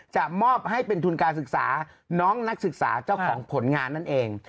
จะมอบให้เป็นทุนการศึกษาน้องนักศึกษาเจ้าของผลงานนั่นเอง